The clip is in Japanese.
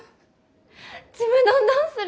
ちむどんどんする！